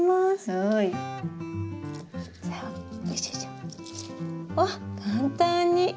あっ簡単に。